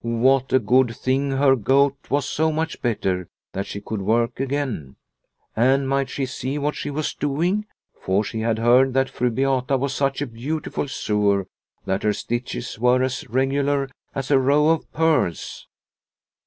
What a good thing her gout was so much better that she could work again, and might she see what she was doing, for she had heard that Fru Beata was such a beautiful sewer that her stitches were as regular as a row of pearls.